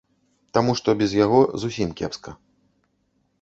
Таму што без яго зусім кепска.